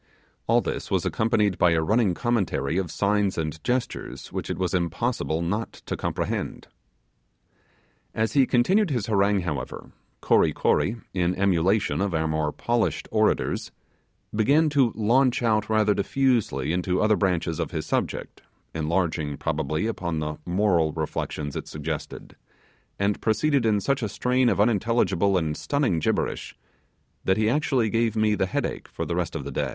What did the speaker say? All this was accompanied by a running commentary of signs and gestures which it was impossible not to comprehend. As he continued his harangue, however, Kory Kory, in emulation of our more polished orators, began to launch out rather diffusely into other branches of his subject, enlarging probably upon the moral reflections it suggested; and proceeded in such a strain of unintelligible and stunning gibberish, that he actually gave me the headache for the rest of the day.